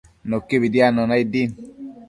Nuquibi diadnuna aid din